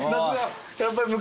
やっぱり昔。